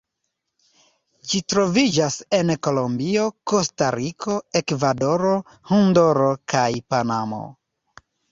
Ĝi troviĝas en Kolombio, Kostariko, Ekvadoro, Honduro, kaj Panamo.